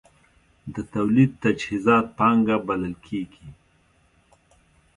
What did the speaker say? د تولید تجهیزات پانګه بلل کېږي.